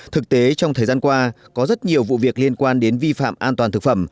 thực tế trong thời gian qua có rất nhiều vụ việc liên quan đến vi phạm an toàn thực phẩm